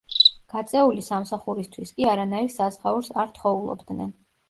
გაწეული სამსახურისთვის კი არანაირ საზღაურს არ თხოულობდნენ.